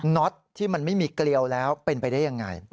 ็อตที่มันไม่มีเกลียวแล้วเป็นไปได้ยังไง